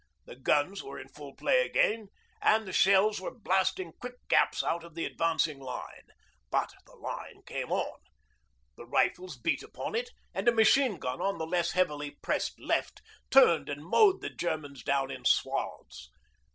The guns were in full play again, and the shells were blasting quick gaps out of the advancing line. But the line came on. The rifles beat upon it, and a machine gun on the less heavily pressed left turned and mowed the Germans down in swathes.